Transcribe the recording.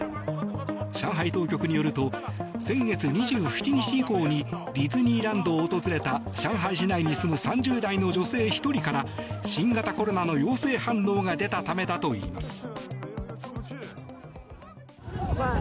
上海当局によると先月２７日以降にディズニーランドを訪れた上海市内に住む３０代の女性１人から新型コロナの陽性反応が出たためだといいます。